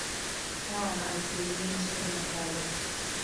sawa na asilimia ishirini na saba